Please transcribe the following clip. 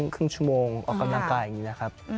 ครึ่งชั่วโมงออกกำลังกายอย่างนี้นะครับ